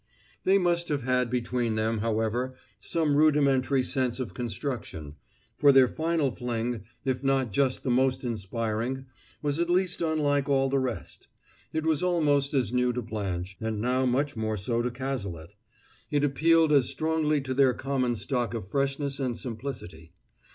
They must have had between them, however, some rudimentary sense of construction; for their final fling, if not just the most inspiring, was at least unlike all the rest. It was almost as new to Blanche, and now much more so to Cazalet; it appealed as strongly to their common stock of freshness and simplicity.